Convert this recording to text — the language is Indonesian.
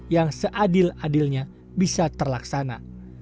yang seadil adilnya bisa terlaksana